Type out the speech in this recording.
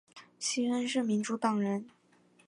西恩是民主党人。